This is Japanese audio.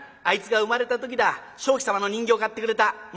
あいつが生まれた時だ鍾馗様の人形を買ってくれた。